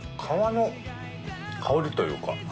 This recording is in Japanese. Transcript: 皮の香りと言うか。